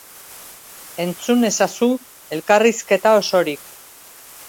Entzun ezazu elkarrizketa osorik.